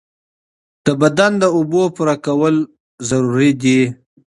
د بدن د اوبو پوره کول اړین دي.